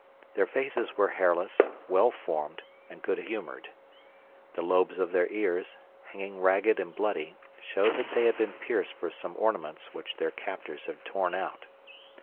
Their faces were hairless, well formed, and good humored. The lobes of their ears, hanging ragged and bloody, showed that they had been pierced for some ornaments which their captors had torn out.